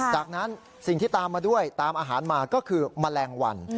จากนั้นสิ่งที่ตามมาด้วยตามอาหารมาก็คือแมลงวัน